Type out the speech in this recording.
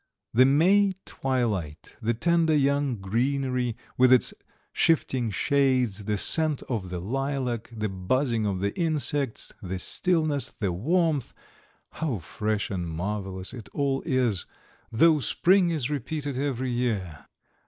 The May twilight, the tender young greenery with its shifting shades, the scent of the lilac, the buzzing of the insects, the stillness, the warmth how fresh and marvellous it all is, though spring is repeated every year!